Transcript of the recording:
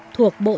thuộc đức và pháp